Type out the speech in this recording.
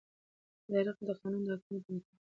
اداره د قانون د حاکمیت ملاتړ کوي.